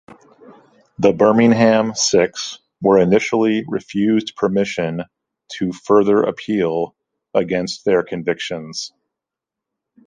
The Birmingham Six were initially refused permission to further appeal against their convictions.